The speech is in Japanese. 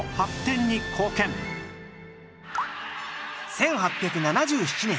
１８７７年。